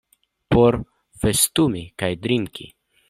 Por festumi kaj drinki?